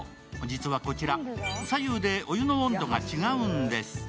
実はこちら、左右でお湯の温度が違うんです。